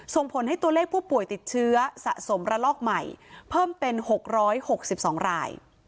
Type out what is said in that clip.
ส่งผลให้ตัวเลขผู้ป่วยติดเชื้อสะสมระลอกใหม่เพิ่มเป็นหกร้อยหกสิบสองราย